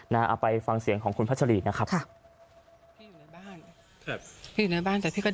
เอาไปฟังเสียงของคุณพัชรีนะครับ